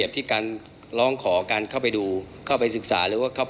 มีการที่จะพยายามติดศิลป์บ่นเจ้าพระงานนะครับ